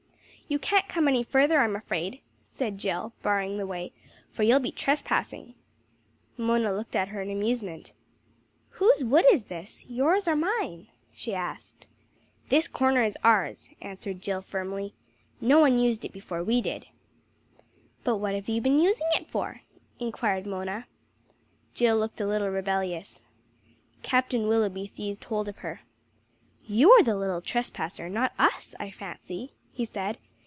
"You can't come any further, I'm afraid," said Jill barring the way; "for you'll be trespassing." Mona looked at her in amusement. "Whose wood is this? Yours or mine?" she asked. "This corner is ours," answered Jill firmly, "No one used it before we did." "But what have you been using it for?" inquired Mona. Jill looked a little rebellious. Captain Willoughby seized hold of her. "You are the little trespasser, not us, I fancy," he said.